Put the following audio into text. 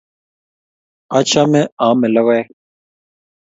Achame ame logoek.